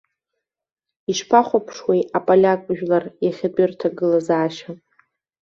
Ишԥахәаԥшуеи аполиак жәлар иахьатәи рҭагылазаашьа?